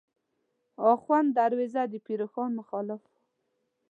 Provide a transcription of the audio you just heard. آخوند دروېزه د پیر روښان مخالف و.